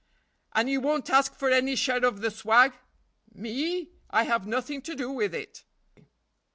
"And you won't ask for any share of the swag?" "Me? I have nothing to do with it."